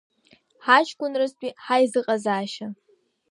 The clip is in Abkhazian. Ҳаҷкәынразтәи ҳаизыҟазаашьа…